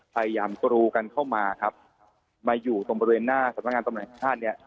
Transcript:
พยายามกรูกันเข้ามาครับมาอยู่ตรงบริเวณหน้าสำนักงานตำรวจแห่งชาติเนี่ย